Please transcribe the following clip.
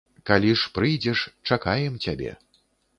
Калі ж прыйдзеш, чакаем цябе.